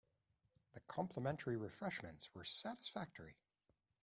The complimentary refreshments were satisfactory.